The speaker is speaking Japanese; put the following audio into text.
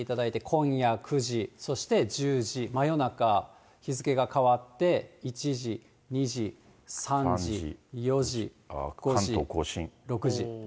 今夜９時、そして１０時、真夜中、日付けが変わって１時、２時、３時、４時、５時、関東甲信。